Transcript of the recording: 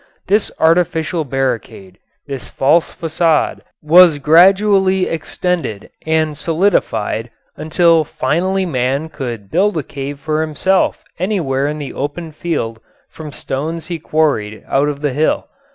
This artificial barricade, this false façade, was gradually extended and solidified until finally man could build a cave for himself anywhere in the open field from stones he quarried out of the hill.